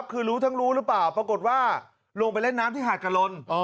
คือรู้ทั้งรู้หรือเปล่าปรากฏว่าลงไปเล่นน้ำที่หาดกะลน